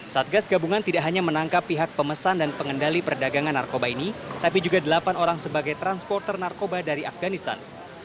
satgas gabungan tidak hanya menangkap pihak pemesan dan pengendali perdagangan narkoba ini tapi juga delapan orang sebagai transporter narkoba dari afganistan